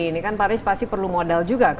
ini kan pak riz pasti perlu modal juga